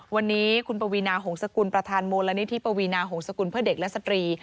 วันนี้คุณปวีนาหงษกุลประธานมูลนิธิปวีนาหงศกุลเพื่อเด็กและสตรี